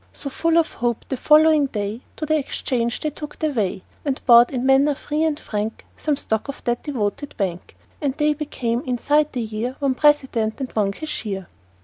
So, full of hope, the following day To the exchange they took their way And bought, with manner free and frank, Some stock of that devoted bank; And they became, inside the year, One President and one Cashier.